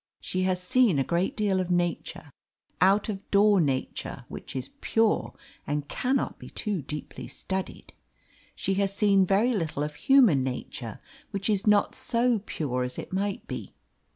She has seen a great deal of nature, out of door nature, which is pure, and cannot be too deeply studied. She has seen very little of human nature, which is not so pure as it might be.